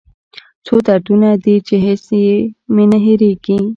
څو دردونه دي چې هېڅ مې نه هېریږي